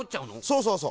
そうそうそう。